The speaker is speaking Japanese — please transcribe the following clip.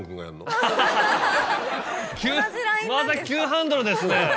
急また急ハンドルですね。